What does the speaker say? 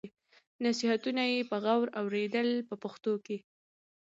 نصیحتونه یې په غور اورېدل په پښتو ژبه.